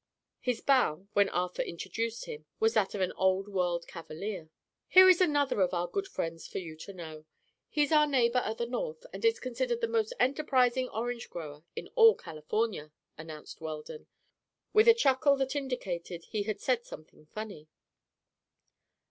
His bow, when Arthur introduced him, was that of an old world cavalier. "Here is another of our good friends for you to know. He's our neighbor at the north and is considered the most enterprising orange grower in all California," announced Weldon, with a chuckle that indicated he had said something funny.